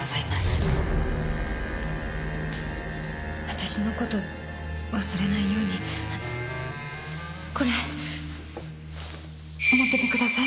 私の事忘れないようにあのこれ持っててください！